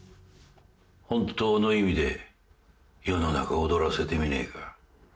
本当の意味で世の中踊らせてみねえか？